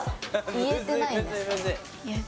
言えてない？